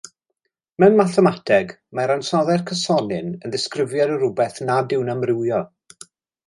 Mewn mathemateg, mae'r ansoddair cysonyn yn ddisgrifiad o rywbeth nad yw'n amrywio.